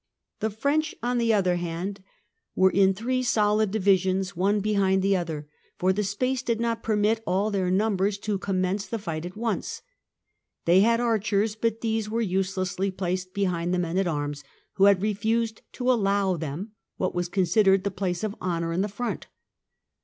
The French, on the other hand, were 212 THE END OF THE MIDDLE AGE in three solid divisions, one behind the other, for the space did not permit all their numbers to commence the fight at once. They had archers, but these were use lessly placed behind the men at arms, who had refused to allow them what was considered the place of honour in the front.